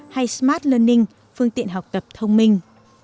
hay smart learning phương tiện học tập thông minh